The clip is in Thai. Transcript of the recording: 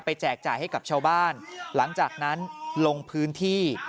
แจกจ่ายให้กับชาวบ้านหลังจากนั้นลงพื้นที่